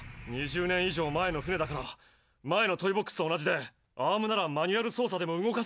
２０年以上前の船だから前のトイボックスと同じでアームならマニュアル操作でも動かせる。